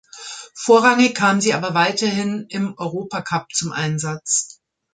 Vorrangig kam sie aber weiterhin im Europacup zum Einsatz.